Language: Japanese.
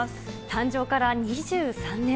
誕生から２３年。